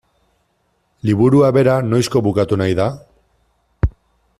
Liburua bera noizko bukatu nahi da?